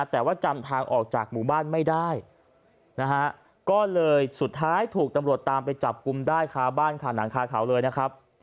แต่ว่าจำทางออกจากหมู่บ้านไม่ได้นะฮะก็เลยสุดท้ายถูกตำรวจตามไปจับกลุ่มได้คาบ้านค่ะหนังคาเขาเลยนะครับ